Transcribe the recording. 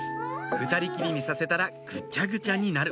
２人きりにさせたらぐちゃぐちゃになるこわい！